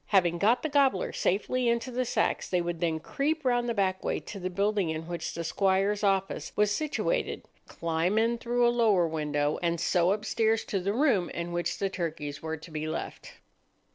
Having got the gobblers safely into the sacks, they would then creep round the back way to the building in which the squire's office was situated, climb in through a lower window, and so upstairs to the room in which the turkeys were to be left.